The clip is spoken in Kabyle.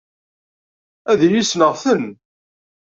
Ad yili ssneɣ-ten.